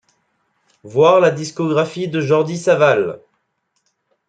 Voir la discographie de Jordi Savall.